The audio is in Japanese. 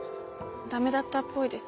駄目だったっぽいです。